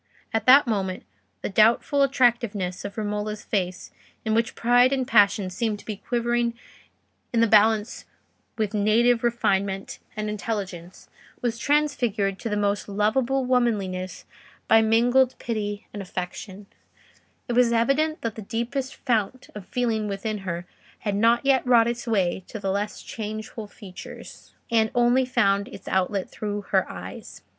At that moment the doubtful attractiveness of Romola's face, in which pride and passion seemed to be quivering in the balance with native refinement and intelligence, was transfigured to the most lovable womanliness by mingled pity and affection: it was evident that the deepest fount of feeling within her had not yet wrought its way to the less changeful features, and only found its outlet through her eyes.